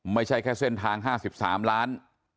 ไม่ใช่แค่เส้นทาง๕๓ล้าน